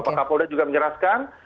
pak kapolda juga menjelaskan